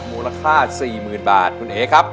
มูลค่า๔๐๐๐บาทคุณเอ๋ครับ